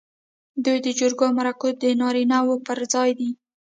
دوی د جرګو او مرکو د نارینه و پر ځای دي.